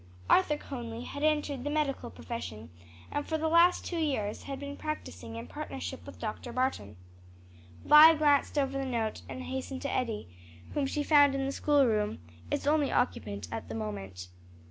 Arthur Conly had entered the medical profession, and for the last two years had been practicing in partnership with Dr. Barton. Vi glanced over the note and hastened to Eddie, whom she found in the schoolroom, its only occupant at the moment.